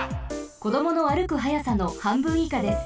こどもの歩く速さのはんぶんいかです。